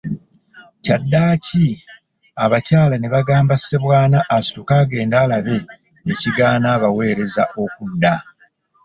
Kyaddaaki Abakyala ne bagamba Ssebwana asituke agende alabe ekigaana abaweereza okudda.